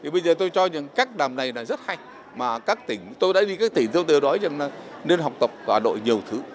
bây giờ tôi cho rằng các đàm này là rất hay mà các tỉnh tôi đã đi các tỉnh dương tiêu đói nên học tập và đội nhiều thứ